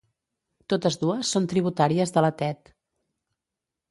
Totes dues són tributàries de la Tet.